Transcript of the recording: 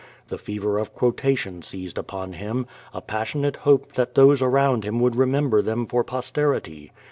The fever of quotation seized upon him, a passion ate hope that those around him would remember them for posterity.